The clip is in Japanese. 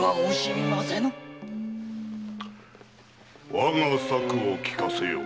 我が策を聞かせよう。